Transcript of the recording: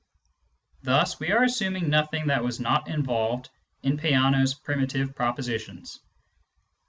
Thus we are assuming nothing that was not involved in Peano's primitive propositions.